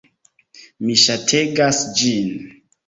Mi ŝategas ĝin!